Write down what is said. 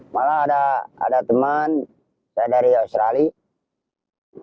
malah ada teman saya dari australia